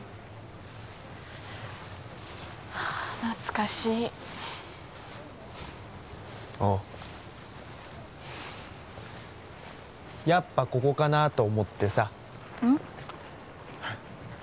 懐かしいおうやっぱここかなと思ってさうん？